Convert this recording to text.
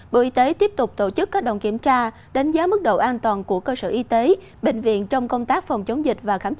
bộ y tế tiếp tục đánh giá là có mức độ an toàn thấp và không an toàn